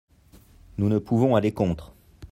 Nous ne pouvons aller contre.